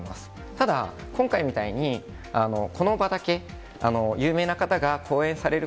ただ、今回みたいに、この場だけ、有名な方が講演される